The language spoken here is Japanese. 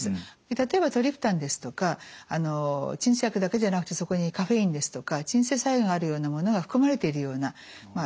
例えばトリプタンですとか鎮痛薬だけじゃなくてそこにカフェインですとか鎮静作用があるようなものが含まれているようなまあ